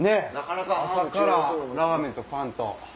朝からラーメンとパンと。